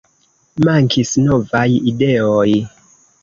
Mankis novaj ideoj.